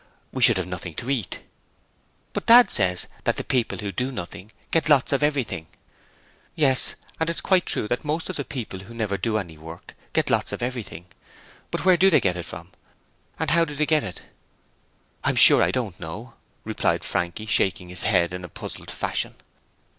We should have nothing to eat.' 'But Dad says that the people who do nothing get lots of everything.' 'Yes, and it's quite true that most of the people who never do any work get lots of everything, but where do they get it from? And how do they get it?' 'I'm sure I don't know,' replied Frankie, shaking his head in a puzzled fashion.